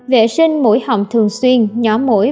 vệ sinh mũi hồng thường xuyên nhỏ mũi